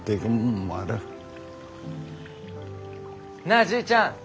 なあじいちゃん